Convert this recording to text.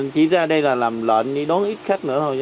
chỉ ra đây là làm lợn đi đón xe